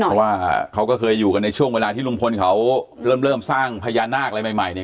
เพราะว่าเขาก็เคยอยู่กันในช่วงเวลาที่ลุงพลเขาเริ่มสร้างพญานาคอะไรใหม่เนี่ย